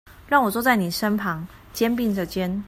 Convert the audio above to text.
讓我坐在妳身旁，肩並著肩